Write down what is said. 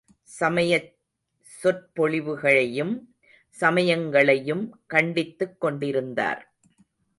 சமயச் சொற்பொழிவுகளையும், சமயங்களையும் கண்டித்துக் கொண்டிருந்தார்.